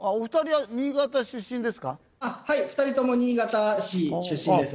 はい２人とも新潟市出身です。